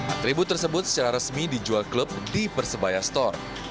atribut tersebut secara resmi dijual klub di persebaya store